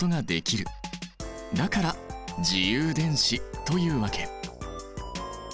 だから「自由電子」というわけ！